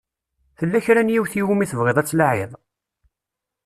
Tella kra n yiwet i wumi tebɣiḍ ad tlaɛiḍ?